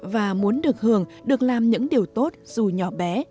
và muốn được hưởng được làm những điều tốt dù nhỏ bé